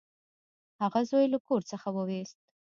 هغه زوی له کور څخه وویست.